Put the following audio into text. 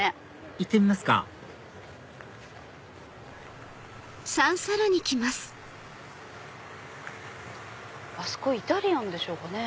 行ってみますかあそこイタリアンでしょうかね。